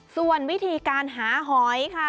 ส่วนวิธีการหาหอยค่ะ